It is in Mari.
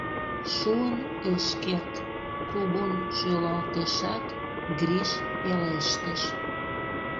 — Шуын ыш керт, — кугун шӱлалтышат, Гриш пелештыш.